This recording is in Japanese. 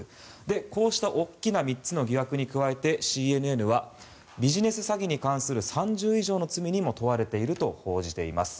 こうした大きな３つの疑惑に加えてＣＮＮはビジネス詐欺に関する３０以上の罪に問われていると報じています。